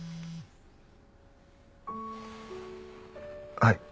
はい。